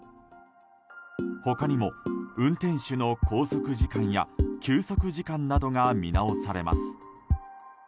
他にも運転手の拘束時間や休息時間などが見直されます。